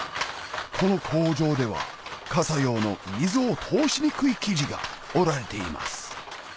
この工場では傘用の水を通しにくい生地が織られています